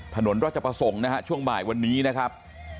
ถนนราชประสงค์นะฮะช่วงบ่ายวันนี้นะครับ